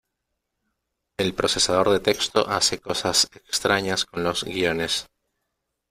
El procesador de texto hace cosas extrañas con los guiones.